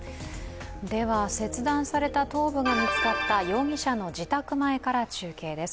切断された頭部が見つかった容疑者の自宅前から中継です。